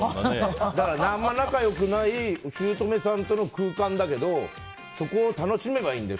だからあんまり仲良くないしゅうとめさんとの空間だけどそこを楽しめばいいんだよ。